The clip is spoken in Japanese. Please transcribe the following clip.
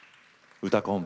「うたコン」